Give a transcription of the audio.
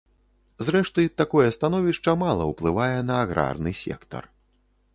Зрэшты, такое становішча мала ўплывае на аграрны сектар.